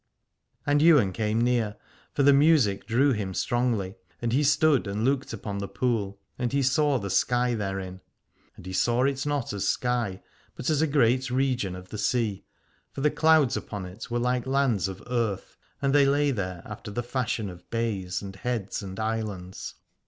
And Ywain came near, for the music drew him strongly : and he stood and looked upon the pool, and he saw the sky therein. And he saw it not as sky but as a great region of the sea : for the clouds upon it were like lands of earth, and they lay there after the fashion of bays and heads and islands.